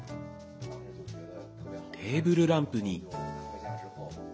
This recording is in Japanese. テーブルランプに。